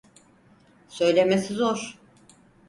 Söylemesi zor.